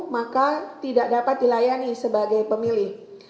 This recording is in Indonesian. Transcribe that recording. maka tidak dapat dilayani sebagai pemilih